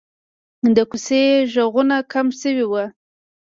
د کوڅې غږونه کم شوي وو.